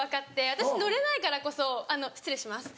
私乗れないからこそあの失礼します。